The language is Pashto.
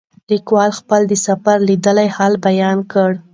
لیکوال خپل د سفر لیدلی حال بیان کړی.